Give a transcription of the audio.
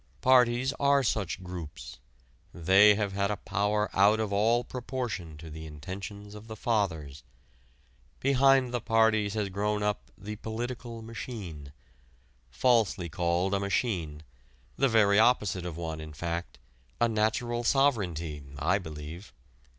Parties are such groups: they have had a power out of all proportion to the intentions of the Fathers. Behind the parties has grown up the "political machine" falsely called a machine, the very opposite of one in fact, a natural sovereignty, I believe.